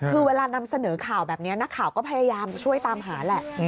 คือเวลานำเสนอข่าวแบบนี้นักข่าวก็พยายามจะช่วยตามหาแหละ